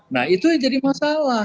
nah itu yang jadi masalah